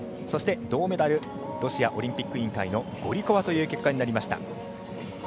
そして、銅メダルロシアオリンピック委員会のゴリコワという結果になりました。